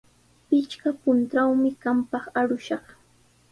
Pichqa puntrawmi qampaq arushaq.